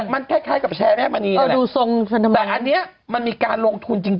มันคล้ายกับแชร์แม่มณีแต่อันนี้มันมีการลงทุนจริง